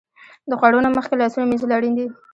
د خوړو نه مخکې لاسونه مینځل اړین دي.